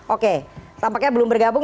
oke tampaknya belum bergabung